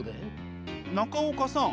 中岡さん